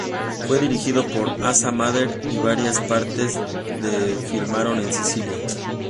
Fue dirigido por Asa Mader, y varias partes se filmaron en Sicilia.